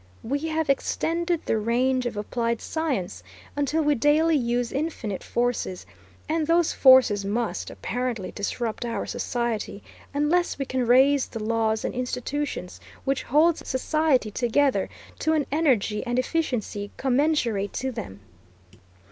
We have extended the range of applied science until we daily use infinite forces, and those forces must, apparently, disrupt our society, unless we can raise the laws and institutions which hold society together to an energy and efficiency commensurate to them.